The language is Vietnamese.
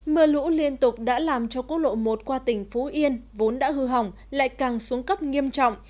mưa lũ liên tục đã làm cho quốc lộ một qua tỉnh phú yên vốn đã hư hỏng lại càng xuống cấp nghiêm trọng